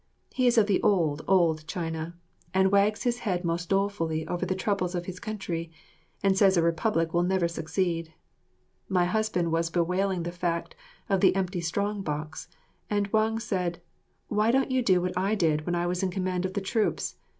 He is of the old, old China, and wags his head most dolefully over the troubles of his country, and says a republic never will succeed. My husband was bewailing the fact of the empty strong box, and Wang said, "Why don't you do what I did when I was in command of the troops?